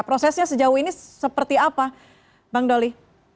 prosesnya sejauh ini seperti apa bang doli